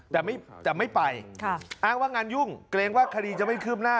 แต่จะไม่ไปอ้างว่างานยุ่งเกรงว่าคดีจะไม่คืบหน้า